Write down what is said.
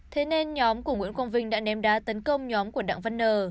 thế nên nhóm của nguyễn quang vinh đã ném đá tấn công nhóm của đặng văn nờ